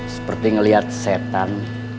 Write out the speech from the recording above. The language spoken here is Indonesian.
seperti melihat setan